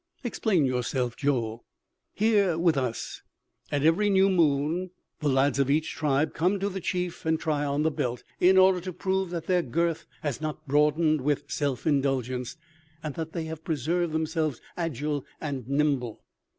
"Explain yourself, Joel." "Here, with us, at every new moon, the lads of each tribe come to the chief and try on the belt, in order to prove that their girth has not broadened with self indulgence, and that they have preserved themselves agile and nimble.